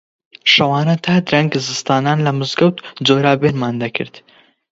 شەوانە تا درەنگ زستانان لە مزگەوت جۆرابێنمان دەکرد